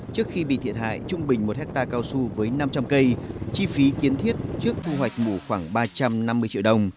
trước khi bị thiệt hại trung bình một hectare cao su với năm trăm linh cây chi phí kiến thiết trước thu hoạch mủ khoảng ba trăm năm mươi triệu đồng